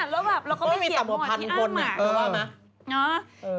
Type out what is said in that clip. จริงเราก็ไม่เคียบหมดที่อ้างหมากนะมึงว่าเนี่ยต้องมีสามหกพันคน